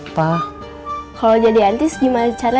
sebelumnya di dapur